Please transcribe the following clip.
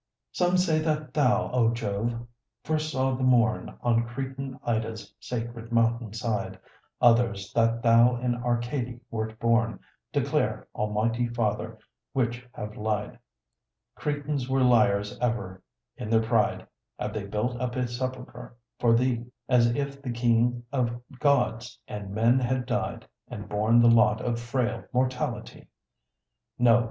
Some say that thou, O Jove, first saw the morn On Cretan Ida's sacred mountain side; Others that thou in Arcady wert born: Declare, Almighty Father which have lied? Cretans were liars ever: in their pride Have they built up a sepulchre for thee; As if the King of Gods and men had died, And borne the lot of frail mortality. No!